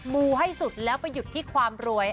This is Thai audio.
มูให้สุดแล้วไปหยุดที่ความรวย